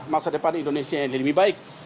masa depan indonesia ini lebih baik